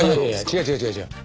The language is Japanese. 違う違う違う違う。